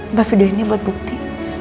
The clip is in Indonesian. mbah video ini buat bukti